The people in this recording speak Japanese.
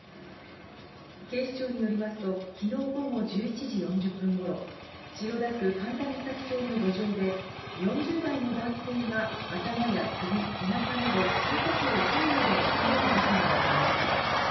警視庁によりますと昨日午後１１時４０分頃、千代田区神田三崎町の路上で、４０代の男性が頭や首、背中など数か所を刃物で刺される事件がありました。